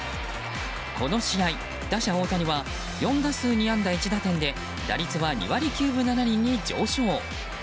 この試合、打者・大谷は４打数２安打１打点で打率は、２割９分７厘に上昇。